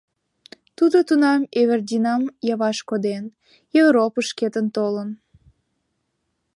Тудо тунам Эвердинам Яваш коден, Европыш шкетын толын.